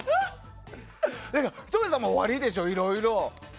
ひとりさんもおありでしょう、いろいろ。